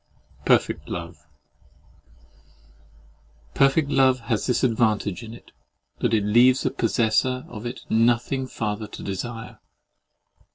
PERFECT LOVE Perfect love has this advantage in it, that it leaves the possessor of it nothing farther to desire.